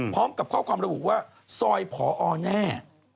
พร้อมกับข้อความระบุว่าซอยผอแน่